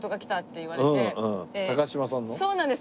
そうなんです！